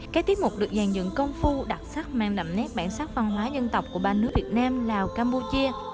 các tiết mục được dàn dựng công phu đặc sắc mang đậm nét bản sắc văn hóa dân tộc của ba nước việt nam lào campuchia